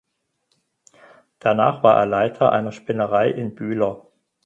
Danach war er Leiter einer Spinnerei in Bühler.